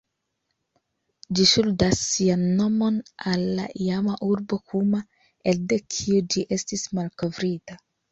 Ĝi ŝuldas sian nomon al la iama urbo Kuma, elde kiu ĝi estis malkovrita.